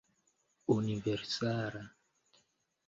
universala